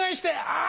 あ！